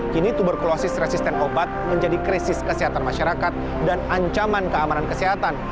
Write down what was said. kini tuberkulosis resisten obat menjadi krisis kesehatan masyarakat dan ancaman keamanan kesehatan